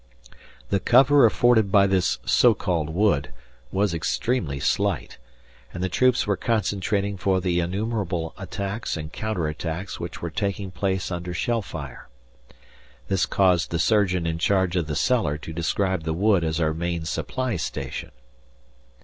The cover afforded by this so called wood was extremely slight, and the troops were concentrating for the innumerable attacks and counter attacks which were taking place under shell fire. This caused the surgeon in charge of the cellar to describe the wood as our main supply station!